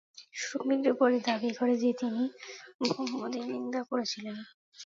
শ্রমিকরা পরে দাবি করে যে তিনি মুহাম্মদের নিন্দা করেছিলেন।